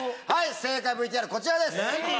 正解ＶＴＲこちらです。